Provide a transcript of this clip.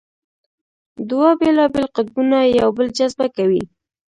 دوه بېلابېل قطبونه یو بل جذبه کوي.